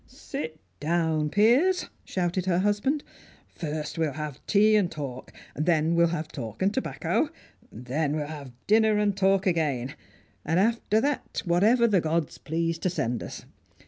"Sit down, Piers," shouted her husband. "First we'll have tea and talk; then we'll have talk and tobacco; then we'll have dinner and talk again, and after that whatever the gods please to send us.